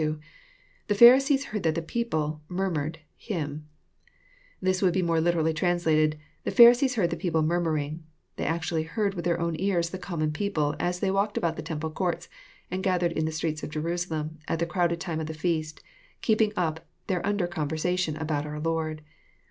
— IThe Pharisees heard that the people murmured,,, him, ] This would be more literally translated, *' The Pharisees heard the people murmuring ;" they actually heard with their own ears the common people, as they walked about the temple courts, and gathered In the streets of Jerusalem, at the crowded time of the feast, keeping up their under conversation about our Lord.